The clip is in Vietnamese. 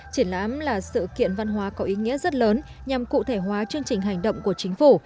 triển lãm là sự kiện văn hóa có ý nghĩa rất lớn nhằm cụ thể hóa chương trình hành động của chính phủ